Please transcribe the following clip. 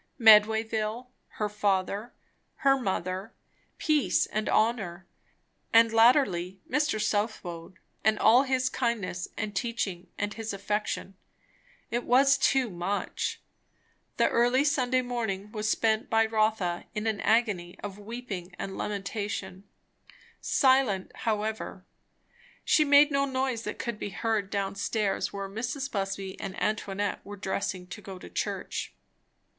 Medwayville, her father, her mother, peace and honour, and latterly Mr. Southwode, and all his kindness and teaching and his affection. It was too much. The early Sunday morning was spent by Rotha in an agony of weeping and lamentation; silent, however; she made no noise that could be heard down stairs where Mrs. Busby and Antoinette were dressing to go to church.